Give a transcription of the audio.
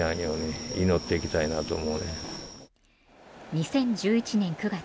２０１１年９月